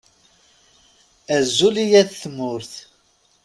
Azul i yat Tmurt!